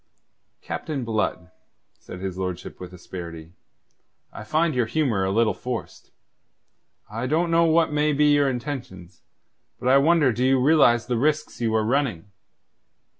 "Captain Blood," said his lordship with asperity, "I find your humour a little forced. I don't know what may be your intentions; but I wonder do you realize the risks you are running."